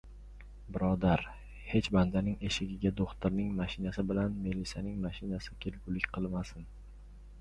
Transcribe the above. — Birodar, hech bandaning eshigiga do‘xtirning mashinasi bilan melisaning mashinasi kelgulik qilmasin!